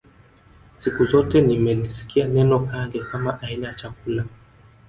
Siku zote nimelisikia neno Kange kama aina ya chakula